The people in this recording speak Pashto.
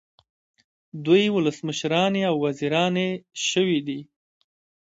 دوی ولسمشرانې او وزیرانې شوې دي.